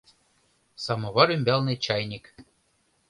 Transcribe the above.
Самовар ӱмбалне чайник.